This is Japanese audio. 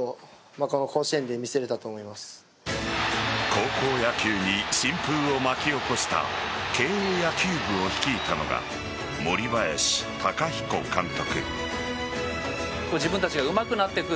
高校野球に新風を巻き起こした慶応野球部を率いたのが森林貴彦監督。